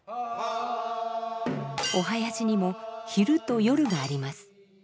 お囃子にも昼と夜があります。